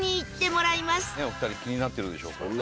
「お二人気になってるでしょうからね」